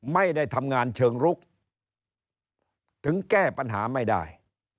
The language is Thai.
ไม่ได้ทำงานเชิงลุกถึงแก้ปัญหาไม่ได้